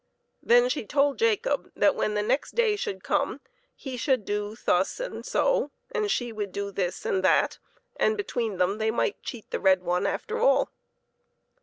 Then she told Jacob that when the next day should come he should do thus and so, and she would do this and that, and between them they might cheat the red one after all.